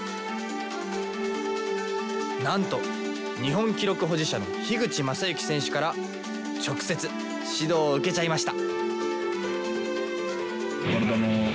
なんと日本記録保持者の口政幸選手から直接指導を受けちゃいました！